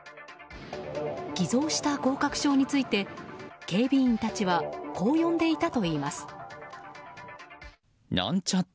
偽造した合格証について警備員たちはこう呼んでいたといいます。